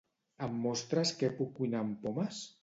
Em mostres què puc cuinar amb pomes?